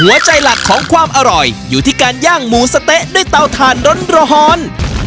หลักของความอร่อยอยู่ที่การย่างหมูสะเต๊ะด้วยเตาถ่านร้อน